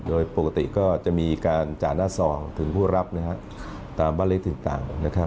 โดยปกติก็จะมีการจาน่าซองถึงผู้รับนะฮะตามบรรลิกต่างต่างนะครับ